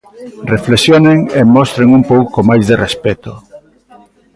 Reflexionen e mostren un pouco máis de respecto.